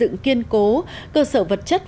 khi dựng kiên cố cơ sở vật chất